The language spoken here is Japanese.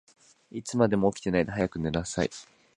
いつまでも起きてないで、早く寝なさい。